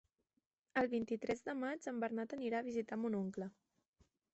El vint-i-tres de maig en Bernat anirà a visitar mon oncle.